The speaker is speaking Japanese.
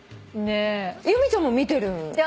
由美ちゃんも見てる？